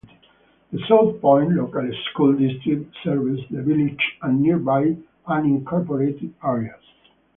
The South Point Local School District serves the village and nearby unincorporated areas.